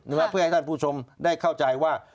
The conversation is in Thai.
เพื่อให้ท่านผู้ชมได้เข้าใจว่า